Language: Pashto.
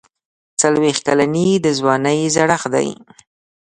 څلوېښت کلني د ځوانۍ زړښت دی.